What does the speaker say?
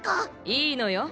いいのよ。